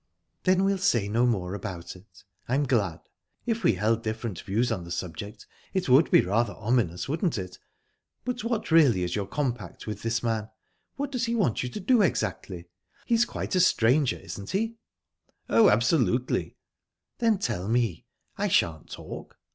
"Then we'll say no more about it. I'm glad. If we held different views on the subject, it would be rather ominous, wouldn't it?...But what really is your compact with this man what does he want you to do exactly? He's quite a stranger, isn't he?" "Oh, absolutely." "Then tell me. I shan't talk."